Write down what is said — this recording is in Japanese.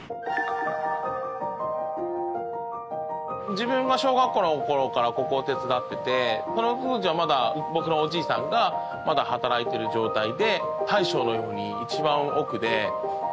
自分が小学校の頃からここを手伝っていてその当時はまだ僕のおじいさんがまだ働いてる状態で。